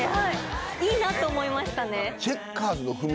いいなと思いましたね。